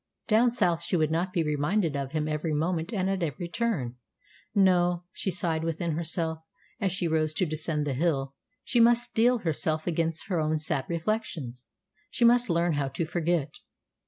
Down south she would not be reminded of him every moment and at every turn. No, she sighed within herself as she rose to descend the hill, she must steel herself against her own sad reflections. She must learn how to forget.